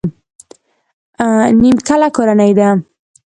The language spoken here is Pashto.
نيمکله کورنۍ ده.